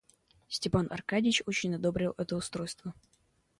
Степан Аркадьич очень одобрил это устройство.